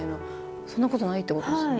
そんなことないってことですよね。